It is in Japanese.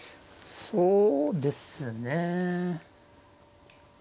そうですね。